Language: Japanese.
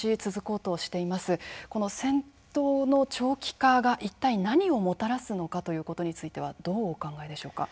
この戦闘の長期化が一体何をもたらすのかということについてはどうお考えでしょうか。